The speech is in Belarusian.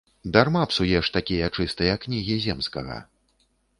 Дарма псуеш такія чыстыя кнігі земскага.